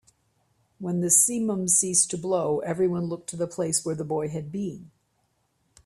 When the simum ceased to blow, everyone looked to the place where the boy had been.